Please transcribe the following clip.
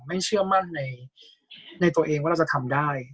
เชื่อมั่นในตัวเองว่าเราจะทำได้